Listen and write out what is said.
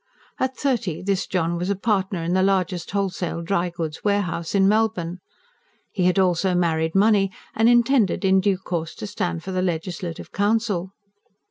At thirty, this John was a partner in the largest wholesale dry goods' warehouse in Melbourne. He had also married money, and intended in due course to stand for the Legislative Council.